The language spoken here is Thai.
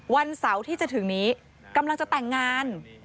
วันเสาร์ที่จะถึงนี้กำลังจะแต่งงาน